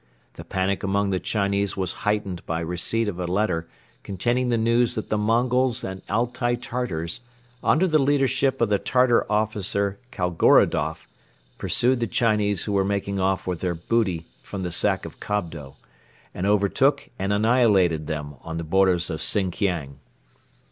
The panic among the Chinese was heightened by the receipt of a letter containing the news that the Mongols and Altai Tartars under the leadership of the Tartar officer Kaigorodoff pursued the Chinese who were making off with their booty from the sack of Kobdo and overtook and annihilated them on the borders of Sinkiang.